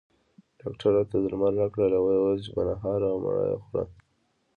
ډاکټر راته درمل راکړل او ویل یې چې په نهاره او مړه یې خوره